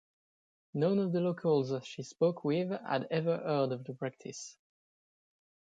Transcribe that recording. None of the locals she spoke with had ever heard of the practice.